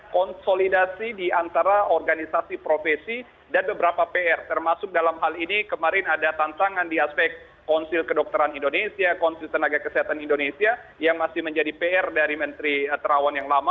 konsolidasi di antara organisasi profesi dan beberapa pr termasuk dalam hal ini kemarin ada tantangan di aspek konsil kedokteran indonesia konsil tenaga kesehatan indonesia yang masih menjadi pr dari menteri terawan yang lama